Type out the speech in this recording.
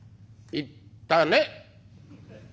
「行ったね」。